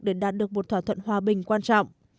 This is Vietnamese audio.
để đạt được một thỏa thuận hòa bình quan trọng